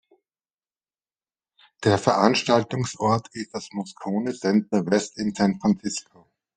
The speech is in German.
Der Veranstaltungsort ist das Moscone Center West in San Francisco.